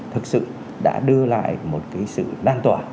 thực sự đã đưa lại một sự lan tỏa